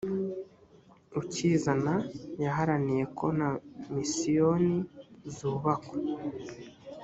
ukizana yaharaniye ko na misiyoni zubakwa